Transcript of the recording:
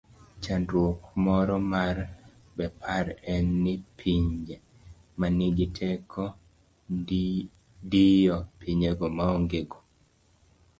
chandruok moro mar Bepar en ni pinye manigi teko diyo pinyego maongego